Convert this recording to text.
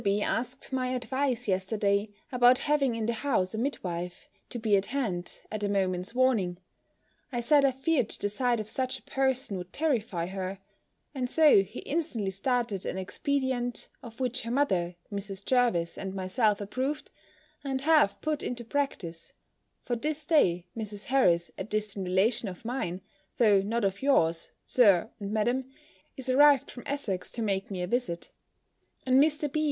B. asked my advice yesterday, about having in the house a midwife, to be at hand, at a moment's warning. I said I feared the sight of such a person would terrify her: and so he instantly started an expedient, of which her mother, Mrs. Jervis, and myself, approved, and have put into practice; for this day, Mrs. Harris, a distant relation of mine, though not of yours, Sir and Madam, is arrived from Essex to make me a visit; and Mr. B.